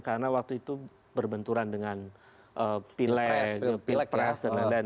karena waktu itu berbenturan dengan pilek pres dan lain lain